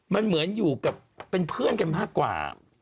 มันเหมือนอยู่กับเป็นเพื่อนกันมากกว่า